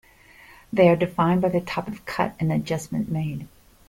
They are defined by the type of cut and adjustment made.